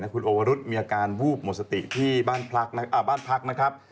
คุณโอวรุษมีอาการวูบหมดสติที่บ้านพักนะครับ